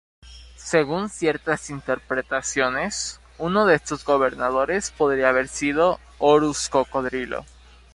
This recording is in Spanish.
Según ciertas interpretaciones, uno de estos gobernadores podría haber sido Horus Cocodrilo.